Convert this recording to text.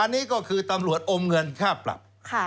อันนี้ก็คือตำรวจอมเงินค่าปรับ